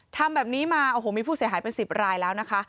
ทำแบบนี้มาโอ้โหมีผู้เสียหายเป็น๑๐รายแล้วนะคะ